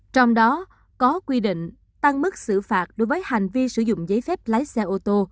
trong đó có quy định tăng mức xử phạt đối với hành vi sử dụng giấy phép lái xe ô tô